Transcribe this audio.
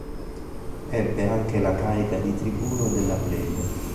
Ebbe anche la carica di tribuno della plebe.